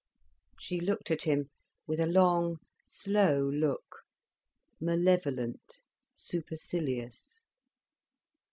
She looked at him with a long, slow look, malevolent, supercilious.